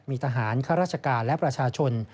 มีทหารข้าราชการและประชาชน